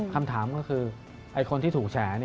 คำถามก็คือคนที่ถูกแฉ